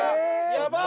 やばい！